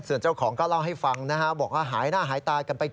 ส่วนเจ้าของก็เล่าให้ฟังนะฮะบอกว่าหายหน้าหายตากันไป